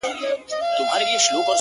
o زما سجده دي ستا د هيلو د جنت مخته وي ـ